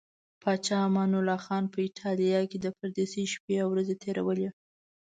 پاچا امان الله خان په ایټالیا کې د پردیسۍ شپې ورځې تیرولې.